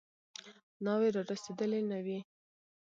ناوې رارسېدلې نه وي.